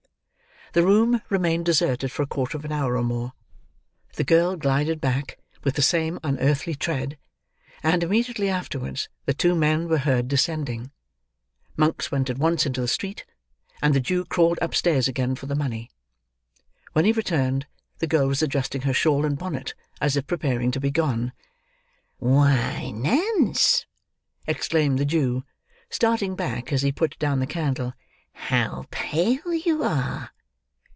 The room remained deserted for a quarter of an hour or more; the girl glided back with the same unearthly tread; and, immediately afterwards, the two men were heard descending. Monks went at once into the street; and the Jew crawled upstairs again for the money. When he returned, the girl was adjusting her shawl and bonnet, as if preparing to be gone. "Why, Nance!" exclaimed the Jew, starting back as he put down the candle, "how pale you are!"